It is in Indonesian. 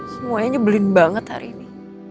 semuanya nyebelin banget hari ini